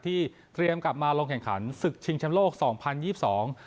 ที่เตรียมกลับมาลงแข่งขันศึกชิงชำโลกสองพันยี่สิบสอง